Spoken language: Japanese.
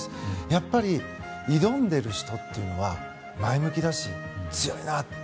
やっぱり挑んでいる人というのは前向きだし強いなと。